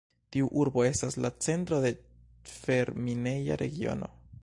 Tiu urbo estas la centro de fer-mineja regiono.